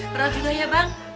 perlu juga ya bang